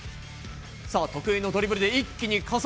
得意のドリブルで一気に加速。